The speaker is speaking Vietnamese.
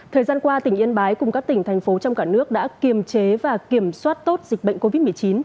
thời gian qua tỉnh yên bái cùng các tỉnh thành phố trong cả nước đã kiềm chế và kiểm soát tốt dịch bệnh covid một mươi chín